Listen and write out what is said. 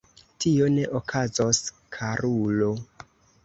Tio ne okazos, karulo.